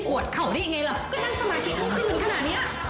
เป็นอะไรน่ะ